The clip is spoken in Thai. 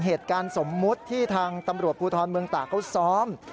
เหตุการณ์สมมุติที่ทางตำรวจภูทรเมืองตะเขาซ้อม